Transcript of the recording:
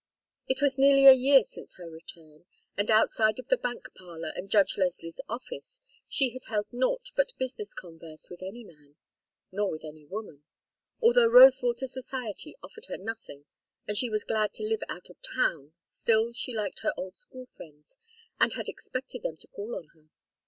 It was nearly a year since her return, and outside of the bank parlor and Judge Leslie's office, she had held naught but business converse with any man. Nor with any woman. Although Rosewater society offered her nothing and she was glad to live out of town, still she liked her old school friends and had expected them to call on her.